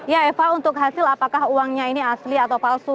ya eva untuk hasil apakah uangnya ini asli atau palsu